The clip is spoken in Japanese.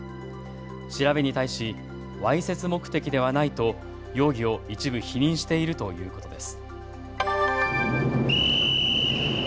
調べに対しわいせつ目的ではないと容疑を一部、否認しているということです。